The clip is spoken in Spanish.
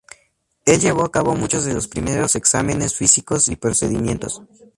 Él llevó a cabo muchos de los primeros exámenes físicos y procedimientos.